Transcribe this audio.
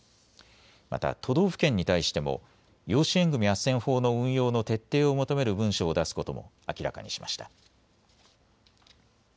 また都道府県に対しても養子縁組あっせん法の運用の徹底を求める文書を出すことも明らかにしました。